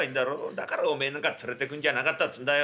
だからおめえなんか連れてくるんじゃなかったっつんだよ